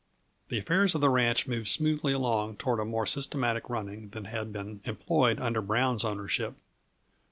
The affairs of the ranch moved smoothly along toward a more systematic running than had been employed under Brown's ownership.